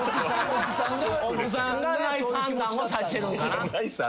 奥さんがナイス判断をさせてるんかな。